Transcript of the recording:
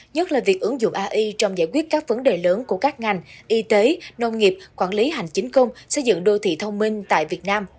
nhất là việc ứng dụng ai trong giải quyết các vấn đề lớn của các ngành y tế nông nghiệp quản lý hành chính công xây dựng đô thị thông minh tại việt nam